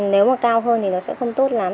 nếu mà cao hơn thì nó sẽ không tốt lắm